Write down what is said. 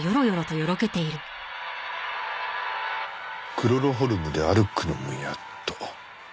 クロロホルムで歩くのもやっと。